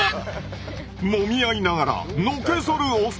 もみ合いながらのけぞるお二人。